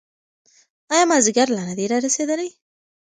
ایا مازیګر لا نه دی رارسېدلی؟